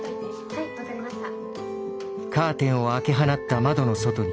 はい分かりました。